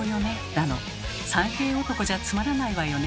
だの「３平男じゃつまらないわよね」